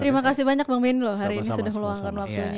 terima kasih banyak bang benn loh hari ini sudah meluangkan waktunya